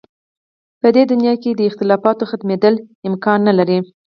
په دې دنیا کې د اختلافاتو ختمېدل امکان نه لري.